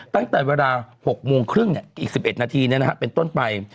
ตั้งแต่เวลาหกโมงครึ่งเนี่ยอีกสิบเอ็ดนาทีเนี่ยนะฮะเป็นต้นไป